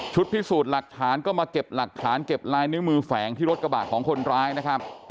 พิสูจน์หลักฐานก็มาเก็บหลักฐานเก็บลายนิ้วมือแฝงที่รถกระบะของคนร้ายนะครับ